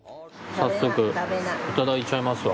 早速いただいちゃいますわ。